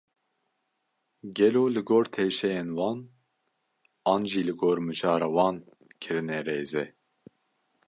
Gelo li gor teşeyên wan, an jî li gor mijara wan kirine rêzê?